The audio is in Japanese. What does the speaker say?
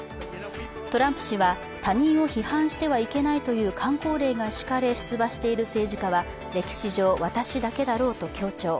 トランプ氏は他人を批判してはいけないというかん口令が敷かれ、出馬している政治家は歴史上私だけだろうと強調。